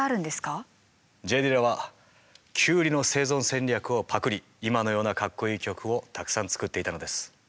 Ｊ・ディラはキュウリの生存戦略をパクり今のようなかっこいい曲をたくさん作っていたのです。